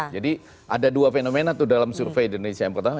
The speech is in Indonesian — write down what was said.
jadi ada dua fenomena tuh dalam survei indonesia yang pertama